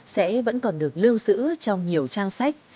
sẽ vẫn còn được lưu sử trong nhiều trang sách